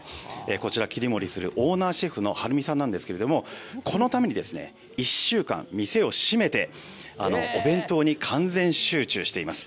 こちら切り盛りするオーナーシェフの治美さんですがこのために１週間店を閉めてお弁当に完全集中しています。